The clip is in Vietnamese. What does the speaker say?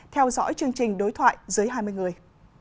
theo dõi chương trình đối thoại dưới hai mươi người